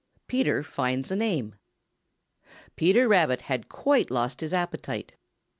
PETER FINDS A NAME |PETER RABBIT had quite lost his appetite.